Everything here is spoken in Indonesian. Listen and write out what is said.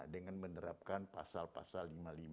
dengan menerapkan pasal pasal lima puluh lima